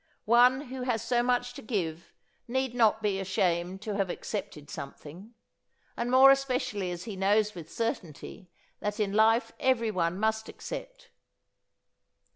One who has so much to give need not be ashamed to have accepted something. And more especially as he knows with certainty that in life everyone must accept....